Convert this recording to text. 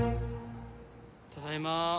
ただいま。